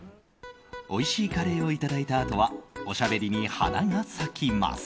おいしいカレーをいただいたあとはおしゃべりに花が咲きます。